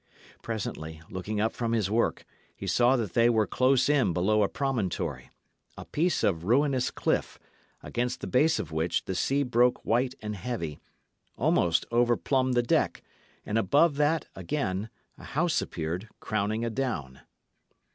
Presently, looking up from his work, he saw that they were close in below a promontory; a piece of ruinous cliff, against the base of which the sea broke white and heavy, almost overplumbed the deck; and, above that, again, a house appeared, crowning a down.